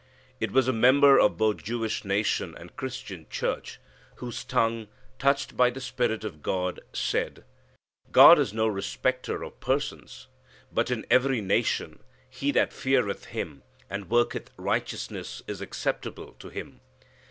It was a member of both Jewish nation and Christian Church, whose tongue, touched by the Spirit of God, said, "God is no respecter of persons: but in every nation he that feareth Him and worketh righteousness is acceptable to Him."